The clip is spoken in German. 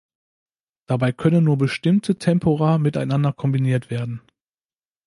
Dabei können nur bestimmte Tempora miteinander kombiniert werden.